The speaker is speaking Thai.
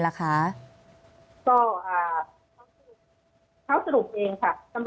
ก็ค้าสรุปเองค่ะ